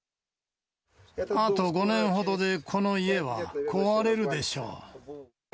あと５年ほどで、この家は壊れるでしょう。